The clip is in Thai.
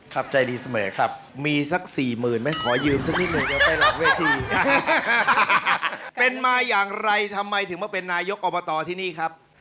ครับใจดีเสมอครับ